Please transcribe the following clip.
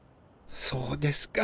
そうですか。